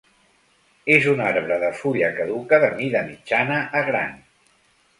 És un arbre de fulla caduca de mida mitjana a gran.